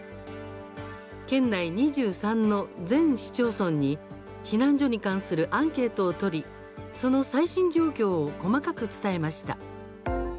県内２３の全市町村に避難所に関するアンケートを取りその最新状況を細かく伝えました。